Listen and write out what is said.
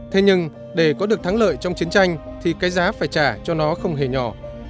thế nhưng để có được thắng lợi trong chiến tranh thì cái giá phải trả cho nó không hề nhỏ